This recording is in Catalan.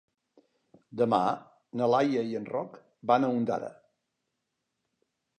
Demà na Laia i en Roc van a Ondara.